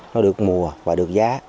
nó được mùa và được giá